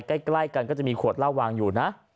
ใกล้กันก็จะมีขวดเหล้าวางอยู่นะ